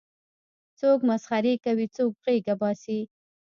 څوک مسخرې کوي څوک غېږه باسي.